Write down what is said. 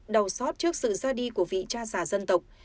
đầu sót trước sự ra đi của vị cha giả dân tộc